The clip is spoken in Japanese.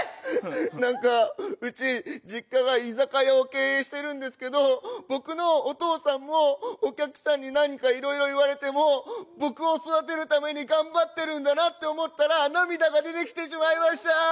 なんか、うち、実家が居酒屋を経営してるんですけど僕のお父さんもお客さんに何かいろいろ言われても、僕を育てるために頑張ってるんだなと思ったら涙が出てきてしまいました。